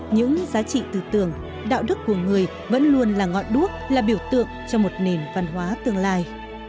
những giá trị tư tưởng đạo đức của người vẫn luôn là ngọn đuốc là biểu tượng cho một nền văn hóa tương lai